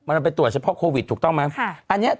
มันไปตรวจเฉพาะโควิดถูกต้องไหม